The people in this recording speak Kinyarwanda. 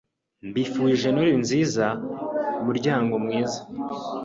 Mbifurije Noheli nziza muryango mwiza